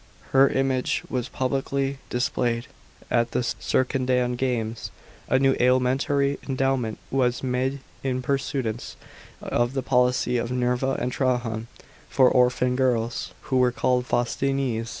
Her image WHS publicly displayed at the Circentdan games. A new alimentary endowment was ma';e (in pursuance of the policy of Nerva and Trajan) for orphan girls, who were called Faustinianse.